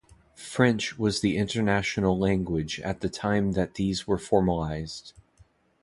French was the international language at the time that these were formalized.